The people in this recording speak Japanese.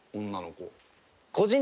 女の子。